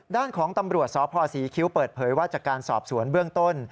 ด้านของตำรวจสพศรีคิ้วเปิดเผยว่าจากการสอบสวนเบื้องต้น